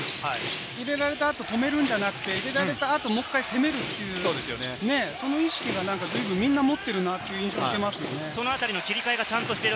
入れられたあと、止めるんじゃなくて、入れられたあと、もっかい攻めるっていうその意識が随分みんな持ってるなという印象を受けますよね。